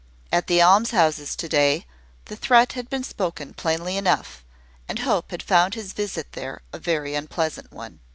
At the almshouses to day, the threat had been spoken plainly enough; and Hope had found his visit there a very unpleasant one.